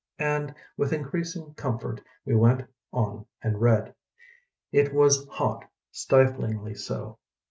" And with increasing comfort we went on and read: It vrsLB hot, stiflingly so.